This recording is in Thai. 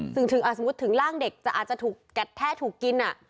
ถึงถมล่างเด็กจะอาจถูกแพ็บแท้ถูกกิน